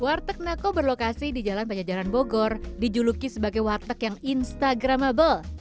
warteg nako berlokasi di jalan pajajaran bogor dijuluki sebagai warteg yang instagramable